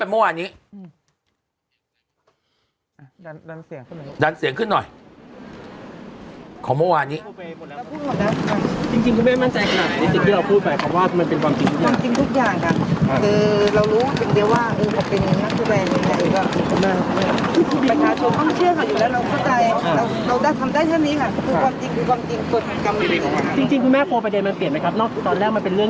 แล้วเรามาติดการคุยกันวันนี้ทำให้เกลียดได้มากขึ้น